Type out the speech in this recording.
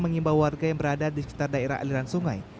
mengimbau warga yang berada di sekitar daerah aliran sungai